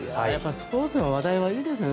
スポーツの話題はいいですね。